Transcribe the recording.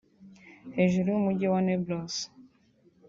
hejuru y'umujyi wa Nablus